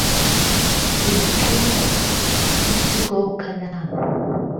دەیکرد گوفتوگۆ و کهلام